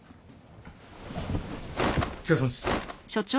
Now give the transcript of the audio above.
・お疲れさまです。